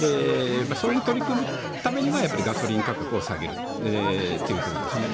それに取り組むためにはガソリン価格を下げるということですね。